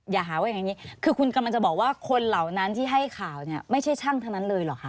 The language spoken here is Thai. อย่าหาว่าอย่างนี้คือคุณกำลังจะบอกว่าคนเหล่านั้นที่ให้ข่าวเนี่ยไม่ใช่ช่างทั้งนั้นเลยเหรอคะ